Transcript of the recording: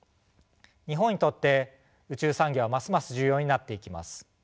日本にとって宇宙産業はますます重要になっていきます。